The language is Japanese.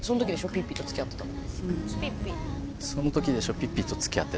ピッピと付き合ってたの」？